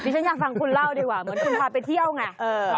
ฉันอยากฟังคุณเล่าดีกว่าเหมือนคุณพาไปเที่ยวไง